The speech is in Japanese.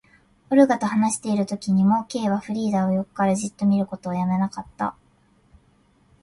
オルガと話しているときにも、Ｋ はフリーダを横からじっと見ることをやめなかった。オルガとフリーダとは友だち同士であるようには見えなかった。